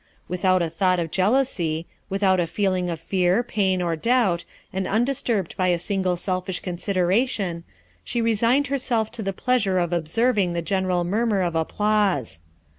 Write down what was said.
Without a thought of jealousy, without a feeling of fear, pain, or doubt, and undisturbed by a single selfish consideration, she resigned herself to the pleasure of observing the general murmur of applause.